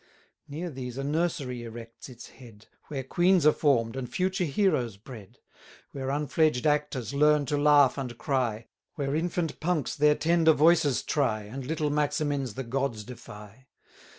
Near these a Nursery erects its head, Where queens are form'd, and future heroes bred; Where unfledged actors learn to laugh and cry, Where infant punks their tender voices try, And little Maximins the gods defy.